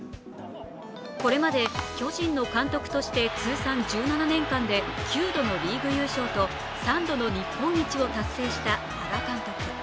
これまで巨人の監督として通算１７年間で９度のリーグ優勝と３度の日本一を達成した原監督。